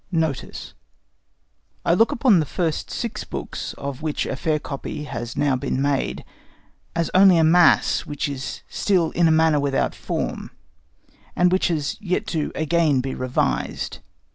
NOTICE I look upon the first six books, of which a fair copy has now been made, as only a mass which is still in a manner without form, and which has yet to be again revised.